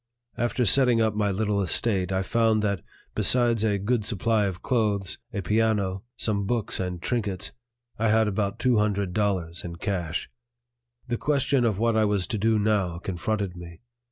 After settling up my little estate I found that, besides a good supply of clothes, a piano, some books and trinkets, I had about two hundred dollars in cash. The question of what I was to do now confronted me.